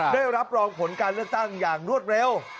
ได้รับรองผลการเลือกตั้งอย่างรวดเร็ว